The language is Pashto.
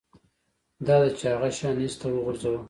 دا ده چې هغه شیان ایسته وغورځوه